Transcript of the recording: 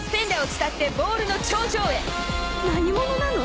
何者なの？